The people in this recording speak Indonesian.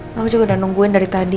kamu juga udah nungguin dari tadi